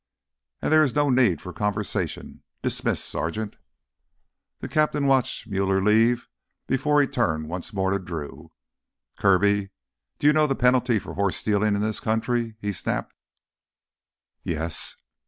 "And there is no need for conversation. Dismissed, Sergeant!" The captain watched Muller leave before he turned once more to Drew. "Kirby, do you know the penalty for horse stealing in this country?" he snapped. "Yes."